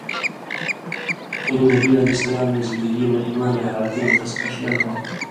کیں نبیؑ ایں زندگی مہ ایمانَیں حالتی مہ تَس پشیل ہو